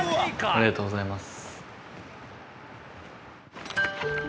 ありがとうございます。